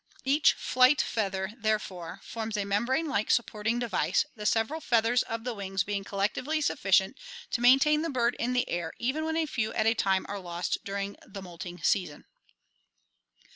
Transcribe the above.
Each flight feather, therefore, forms a mem brane like supporting device, the several feathers of the wings being collectively sufficient to maintain the bird in the air even when a few at a time are lost as during the moulting season.